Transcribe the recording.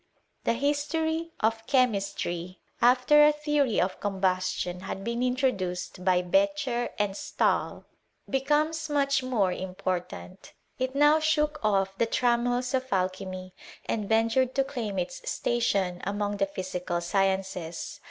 ^KThe Hiatoiyof Chemistry, after atheory of combus tion had heea introduced by Beccher and Stahl. be comes much more important, It now shook off the trammels of alchymy, and ventured to claim its station among the physical sciences.